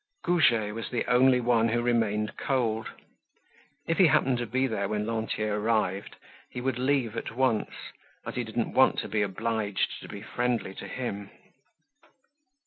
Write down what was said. Goujet was the only one who remained cold. If he happened to be there when Lantier arrived, he would leave at once as he didn't want to be obliged to be friendly to him.